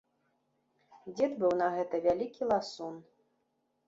Дзед быў на гэта вялікі ласун.